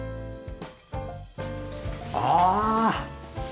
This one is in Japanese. ああ。